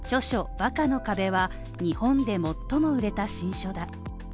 「バカの壁」は日本で最も売れた新書だ。